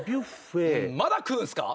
まだ食うんすか！？